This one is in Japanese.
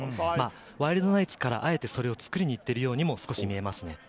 ワイルドナイツからあえて、それを作りに行っているようにも見えますね。